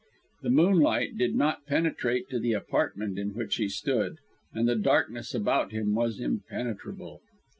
The moonlight did not penetrate to the apartment in which he stood, and the darkness about him was impenetrable.